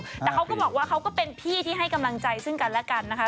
แต่เขาก็บอกว่าเขาก็เป็นพี่ที่ให้กำลังใจซึ่งกันและกันนะคะ